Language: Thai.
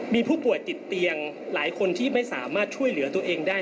มีผู้ป่วยติดเตียงหลายคนที่ไม่สามารถช่วยเหลือตัวเองได้